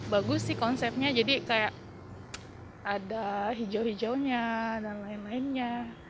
bagus sih konsepnya jadi kayak ada hijau hijaunya dan lain lainnya